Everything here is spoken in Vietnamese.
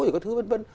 rồi các thứ vân vân